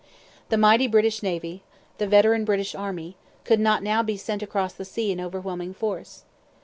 The mighty British Navy, the veteran British Army, could not now be sent across the sea in overwhelming force.